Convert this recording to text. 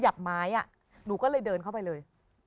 จับไม้หนูก็เลยเดินเข้าไปเลย